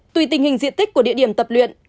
tùy tình hình diện tích của địa điểm tập luyện